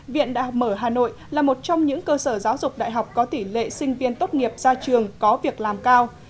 viện đại học mở hà nội là một trong những cơ sở giáo dục đại học có tỷ lệ sinh viên tốt nghiệp ra trường có việc làm cao